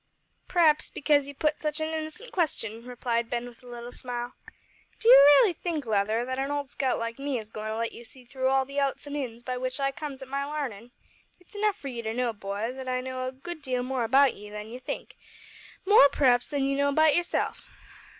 "P'r'aps because ye putt such an innocent question," replied Ben, with a little smile. "D'ye raily think, Leather, that an old scout like me is goin' to let you see through all the outs and ins by which I comes at my larnin'! It's enough for you to know, boy, that I know a good deal more about you than ye think more p'r'aps than ye know about yerself.